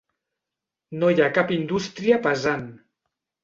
No hi ha cap indústria pesant.